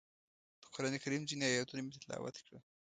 د قرانکریم ځینې ایتونه مې تلاوت کړل.